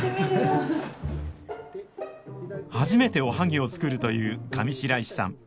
初めておはぎを作るという上白石さん。